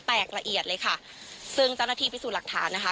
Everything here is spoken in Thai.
ละเอียดเลยค่ะซึ่งเจ้าหน้าที่พิสูจน์หลักฐานนะคะ